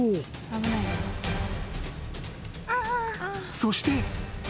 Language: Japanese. ［そして］